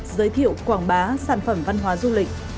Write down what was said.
giới thiệu quảng bá sản phẩm văn hóa du lịch